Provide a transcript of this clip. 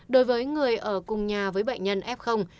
đối với người ở cùng nhà với bệnh nhân f